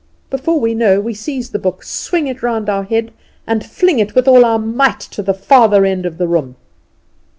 Before we know we seize the book, swing it round our head, and fling it with all our might to the further end of the room.